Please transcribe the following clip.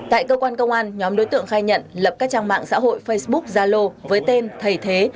tại cơ quan công an nhóm đối tượng khai nhận lập các trang mạng xã hội facebook zalo với tên thầy thế